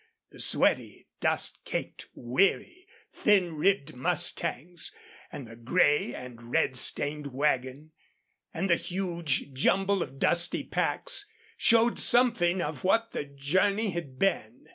The sweaty, dust caked, weary, thin ribbed mustangs, and the gray and red stained wagon, and the huge jumble of dusty packs, showed something of what the journey had been.